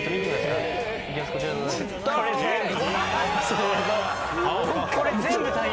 すごい。